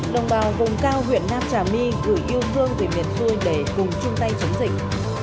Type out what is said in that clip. đồng bào vùng cao huyện nam trà my gửi yêu thương về miền xuôi để cùng chung tay chống dịch